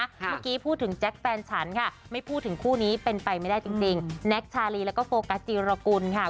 เมื่อกี้พูดถึงแจ๊คแฟนฉันค่ะไม่พูดถึงคู่นี้เป็นไปไม่ได้จริงแน็กชาลีแล้วก็โฟกัสจีรกุลค่ะ